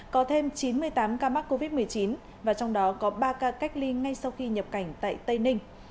có thêm chín mươi tám ca mắc covid một mươi chín và trong đó có ba ca cách ly ngay sau khi nhập cảnh tại tây ninh